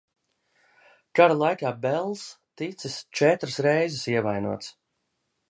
Kara laikā Bells ticis četras reizes ievainots.